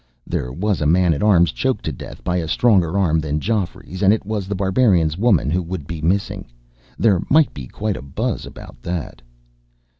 There was a man at arms choked to death, by a stronger arm than Geoffrey's, and it was The Barbarian's woman who would be missing. There might be quite a buzz about that.